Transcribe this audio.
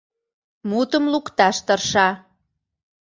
Мутым лукташ тырша.